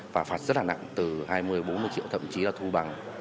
và phạt rất là nặng từ hai mươi bốn mươi triệu thậm chí là thu bằng